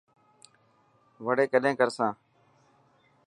وڙي ڪڏهن ڪر سان.